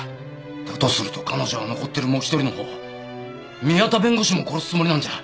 だとすると彼女は残ってるもう一人のほう宮田弁護士も殺すつもりなんじゃ。